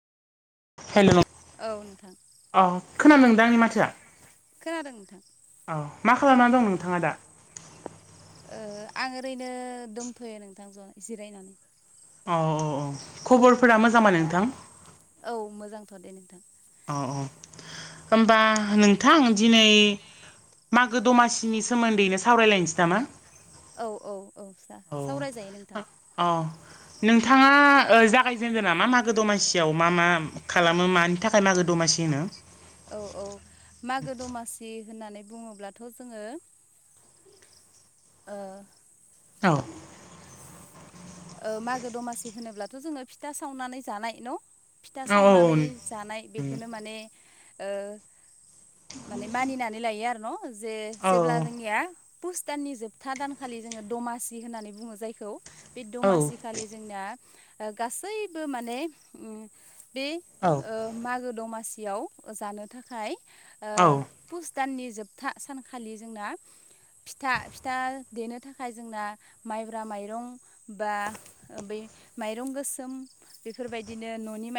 Hello औ नोंथां अ खोना खोनादोंदां आंनि माथोआ? खोनादों नोंथां। औ मा खालामनानै दं नोंथाङा दा? ओ आं ओरैनो दंथ'यो नोंथां ज जिरायनानै। औ औ औ खबरफोरा मोजांबा नोंथां? औ मोजांथ' दे नोंथां। औ औ होमबा नोंथां दिनै मागो दमासिनि सोमोन्दैनो सावरायलायनोसै नामा? औ औ औ सा सावरायजायो नोंथां। अ नोंथाङा ओ जागायजेनदो ना मा मागो दमासियाव मा मा खालामो मानि थाखाय मागो दमा दमासि होनो औ औ मागो दमासि होननानै बुङोब्लाथ' जोङो औ। ओ मागो दमासि होनोब्लाथ' जोङो फिथा सावनानै जानाय न' फिथा औ सावनानै जानाय बेखोनो माने ओ माने मानिनानै लायो आरो न' जे जेब्ला औ जोंनिया पुस दाननि जोबथा दानखालि जोङो दमासि होननानै बुङो जायखौ बे दमासिखालि जोंना गासैबो माने उम बे औ ओ मागो दमासियाव जानो थाखाय ओ औ फुस दाननि जोबथा सानखालि जोंना फिथा फिथा देनो थाखाय जोंना माइब्रा माइरं बा बै माइरं गोसोम बेफोरबायदिनो न'नि माइ